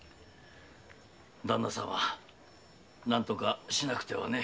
ダンナ様何とかしなくてはね。